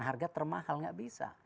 harga termahal nggak bisa